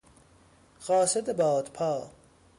قاصد بادپا